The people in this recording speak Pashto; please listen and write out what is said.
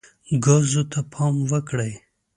ګازو ته پام وکړئ.